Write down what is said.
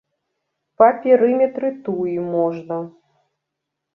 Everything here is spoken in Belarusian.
Па перыметры туі можна.